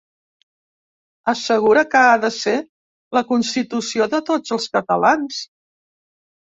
Assegura que ha de ser la constitució de ‘tots els catalans’.